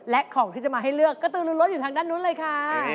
และของที่จะมาให้เลือกก็ตือล้วนอยู่ทางด้านนู้นเลยค่ะ